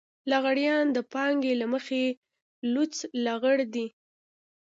لغړيان د پانګې له مخې لوڅ لغړ دي.